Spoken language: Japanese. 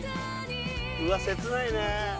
うわっ切ないね。